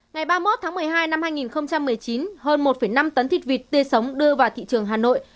ngày ba mươi một tháng một mươi hai năm hai nghìn một mươi chín hơn một năm tấn thịt vịt tươi sống đưa vào thị trường hà nội